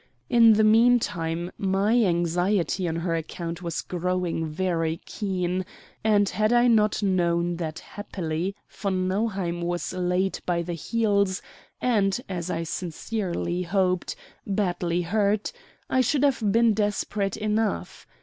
In the mean time my anxiety on her account was growing very keen, and had I not known that happily von Nauheim was laid by the heels and, as I sincerely hoped, badly hurt, I should have been desperate enough.